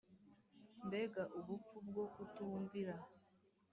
Mbega ubupfu bwo kutumvira